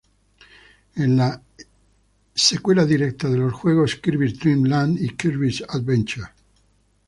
Es la secuela directa de los juegos "Kirby's Dream Land" y "Kirby's Adventure".